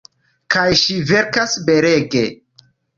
Kaj ŝi verkas belege.